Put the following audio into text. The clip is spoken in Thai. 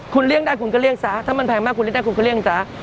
คุณเลี่ยงได้คุณก็เลี่ยงซะถ้ามันแพงมากคุณเรียกได้คุณก็เลี่ยงซะ